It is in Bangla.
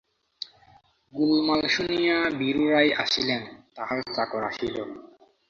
গোলমাল শুনিয়া বীরু রায় আসিলেন, তাঁহার চাকর আসিল।